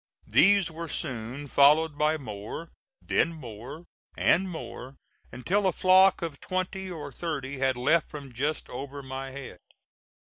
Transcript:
These were soon followed by more, then more, and more, until a flock of twenty or thirty had left from just over my head.